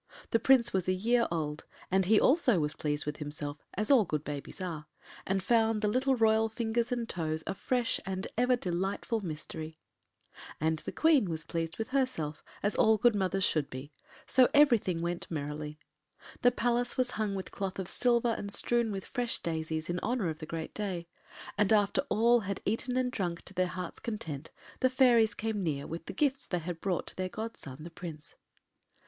The Prince was a year old, and he also was pleased with himself, as all good babies are, and found the little royal fingers and toes a fresh and ever delightful mystery. And the Queen was pleased with herself, as all good mothers should be—so everything went merrily. The Palace was hung with cloth of silver and strewn with fresh daisies, in honour of the great day, and after all had eaten and drunk to their hearts’ content the fairies came near with the gifts they had brought to their godson the Prince.